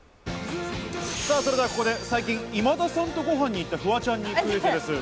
それでは、ここで最近、今田さんとご飯に行ったフワちゃんにクイズです。